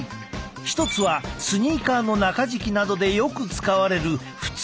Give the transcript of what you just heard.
一つはスニーカーの中敷きなどでよく使われる普通の合成樹脂。